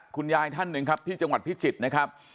ท่านหนึ่งครับที่จังหวัดพิจิตรนะครับ